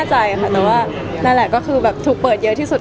แต่จริงแล้วเขาก็ไม่ได้กลิ่นกันว่าถ้าเราจะมีเพลงไทยก็ได้